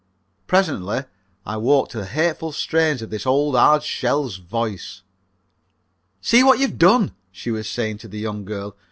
Presently I awoke to the hateful strains of this old hard shell's voice: "See what you've done!" she was saying to the young girl.